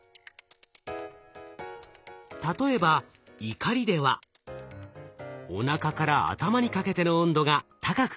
例えば「怒り」ではおなかから頭にかけての温度が高く感じられています。